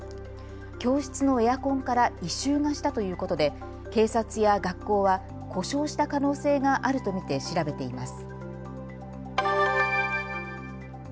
教室のエアコンから異臭がしたということで警察や学校は故障した可能性があると見て調べています。